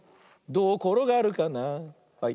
どうころがるかなはい。